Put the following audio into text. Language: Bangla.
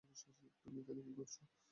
তুমি এখানে কী করছো?